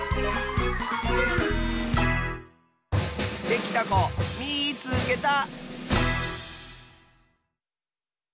できたこみいつけた！